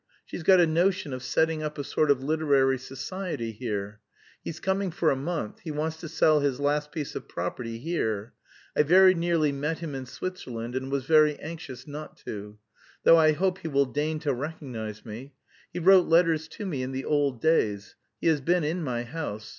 She's got a notion of setting up a sort of literary society here. He's coming for a month, he wants to sell his last piece of property here. I very nearly met him in Switzerland, and was very anxious not to. Though I hope he will deign to recognise me. He wrote letters to me in the old days, he has been in my house.